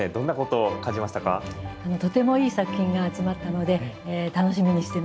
とてもいい作品が集まったので楽しみにしています。